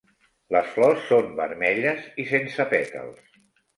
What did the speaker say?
Les flors són vermelles i sense pètals.